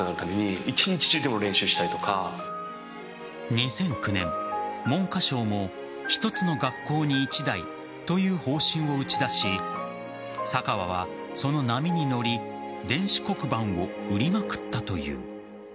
２００９年、文科省もひとつの学校に１台という方針を打ち出し坂和はその波に乗り電子黒板を売りまくったという。